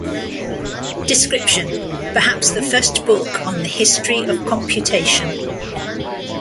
Description: Perhaps the first book on the history of computation.